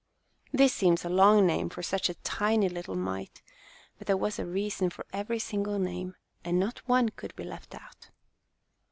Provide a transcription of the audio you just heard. This seems a long name for such a tiny little mite, but there was a reason for every single name, and not one could be left out.